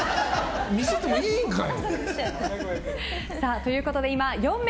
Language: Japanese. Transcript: ミスってもいいんかい！